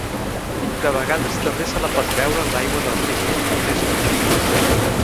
De vegades també se la pot veure en l'aigua del riu al capvespre.